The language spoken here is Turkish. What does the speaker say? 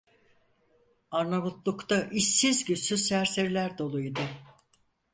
Arnavutluk’ta işsiz güçsüz serseriler dolu idi.